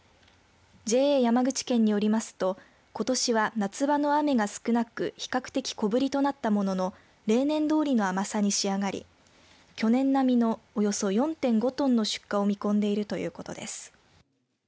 ＪＡ山口県によりますとことしは夏場の雨が少なく比較的小ぶりとなったものの例年通りの甘さに仕上がり去年並みのおよそ４．５トンの出荷を見込んでいるということです。